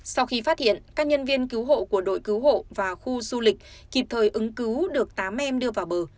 sau khi phát hiện các nhân viên cứu hộ của đội cứu hộ và khu du lịch kịp thời ứng cứu được tám em đưa vào bờ